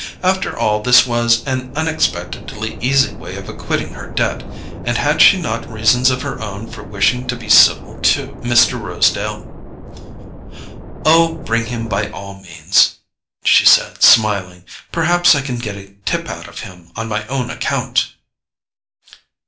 After all, this was an unexpectedly easy way of acquitting her debt; and had she not reasons of her own for wishing to be civil to Mr. Rosedale? "Oh, bring him by all means," she said smiling; "perhaps I can get a tip out of him on my own account."